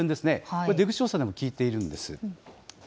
これ、出口調査でも聞いているんです。